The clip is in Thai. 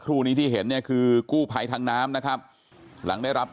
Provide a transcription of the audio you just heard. ครู่นี้ที่เห็นคือกู้ไพทางน้ำนะครับหลังได้รับแจ้ง